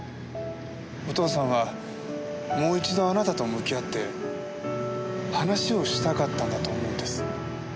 お父さんはもう一度あなたと向き合って話をしたかったんだと思うんです。